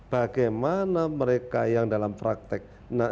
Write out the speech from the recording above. bagaimana mereka yang dalam praktek